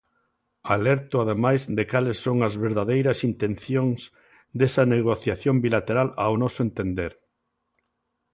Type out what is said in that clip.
Alerto ademais de cales son as verdadeiras intencións desa negociación bilateral ao noso entender.